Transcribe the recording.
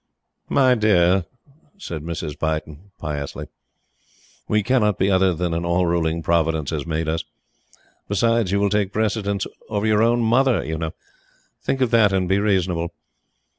"My dear," said Mrs. Beighton, piously, "we cannot be other than an all ruling Providence has made us. Besides, you will take precedence of your own Mother, you know! Think of that and be reasonable."